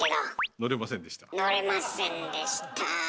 乗れませんでした。